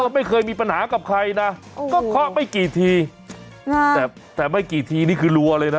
ไม่เคยมีปัญหากับใครนะก็เคาะไม่กี่ทีแต่แต่ไม่กี่ทีนี่คือรัวเลยนะ